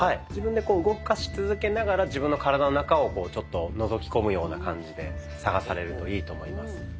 自分でこう動かし続けながら自分の体の中をちょっとのぞき込むような感じで探されるといいと思います。